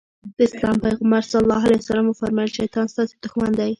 د اسلام پيغمبر ص وفرمايل شيطان ستاسې دښمن دی.